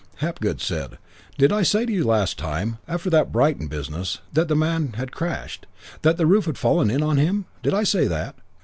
CHAPTER V I Hapgood said: "Did I say to you last time, after that Brighton business, that the man had crashed, that the roof had fallen in on him? Did I say that?